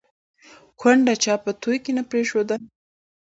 ـ کونډه چا په توى کې نه پرېښوده